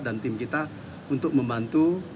dan tim kita untuk membantu